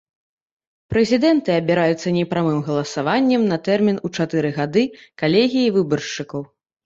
Прэзідэнты абіраюцца непрамым галасаваннем на тэрмін у чатыры гады калегіяй выбаршчыкаў.